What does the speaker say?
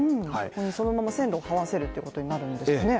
そのまま線路をはわせるということになるんですかね。